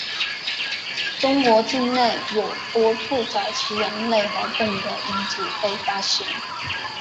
中国境内有多处早期人类活动的遗址被发现。